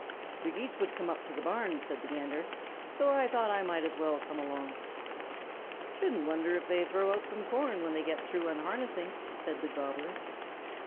"The Geese would come up to the barn," said the Gander, "so I thought I might as well come along." "Shouldn't wonder if they would throw out some corn when they get through unharnessing," said the Gobbler.